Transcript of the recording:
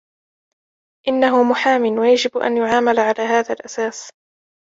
إنّه محامٍ ويجب أن يعامل على هذا الأساس.